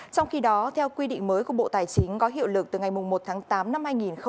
trong khi đó theo quy định mới của bộ tài chính có hiệu lực từ ngày một tháng tám năm hai nghìn hai mươi